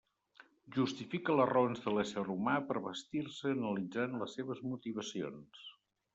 Justifica les raons de l'ésser humà per vestir-se analitzant les seves motivacions.